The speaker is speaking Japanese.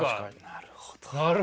なるほど。